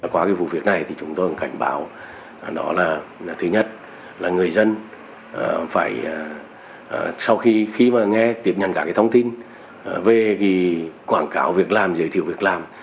qua cái vụ việc này thì chúng tôi cần cảnh báo đó là thứ nhất là người dân phải sau khi mà nghe tiếp nhận cả cái thông tin về cái quảng cáo việc làm giới thiệu việc làm